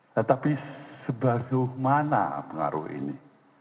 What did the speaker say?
tetapi sebaru mana pengaruh ini